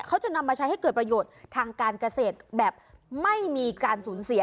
เขาจะนำมาใช้ให้เกิดประโยชน์ทางการเกษตรแบบไม่มีการสูญเสีย